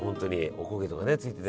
おこげとかねついてて。